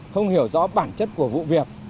không hiểu rõ bản chất của vụ việc